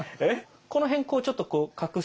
この辺こうちょっとこう隠すと何かね。